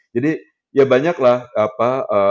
jadi ya banyak lah apa